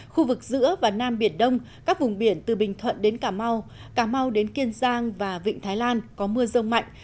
khu vực giữa và nam biển đông các vùng biển từ bình thuận đến cà mau cà mau đến kiên giang và vịnh thái lan có mưa rông mạnh